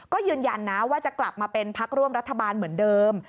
ก็ยืนยันนะว่าจะกลับมาเป็นพักร่วมรัฐบาลเหมือนเดิม